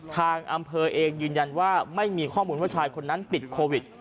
ทางอำเภอเองยืนยันว่าไม่มีข้อมูลว่าชายคนนั้นติดโควิด